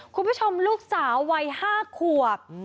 คุณผู้ชมลูกสาววัย๕ขวบ